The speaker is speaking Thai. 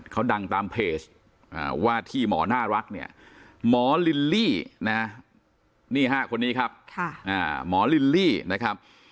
เขาดังตามเพจว่าที่หมอน่ารักเนี่ยหมอลิลลี่นะนี่ฮะคนนี้ครับหมอลิลลี่นะครับ